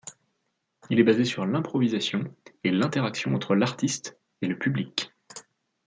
Il est basé sur l'improvisation et l'interaction entre l'artiste et le public.